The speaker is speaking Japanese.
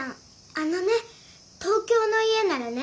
あのね東京の家ならね